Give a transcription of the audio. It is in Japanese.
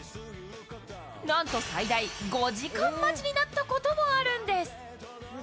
なんと最大５時間待ちになったこともあるんです。